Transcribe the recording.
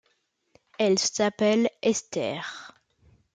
Elle s'appelle Esther.